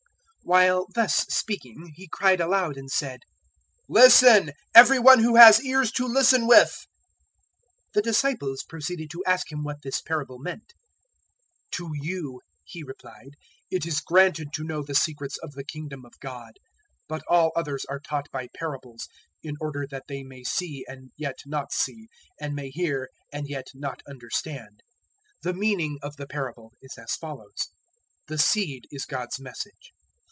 While thus speaking, He cried aloud and said, "Listen, every one who has ears to listen with!" 008:009 The disciples proceeded to ask Him what this parable meant. 008:010 "To you," He replied, "it is granted to know the secrets of the Kingdom of God; but all others are taught by parables, in order that they may see and yet not see, and may hear and yet not understand. 008:011 The meaning of the parable is as follows. The seed is God's Message.